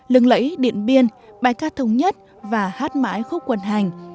lưng lẫy điện biên bài ca thống nhất và hát mãi khúc quần hành